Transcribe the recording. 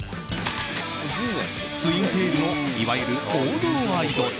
ツインテールのいわゆる王道アイドル。